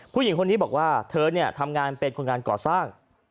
ผู้หญิงคนนี้บอกว่าเธอทำงานเป็นคนงานก่อสร้าง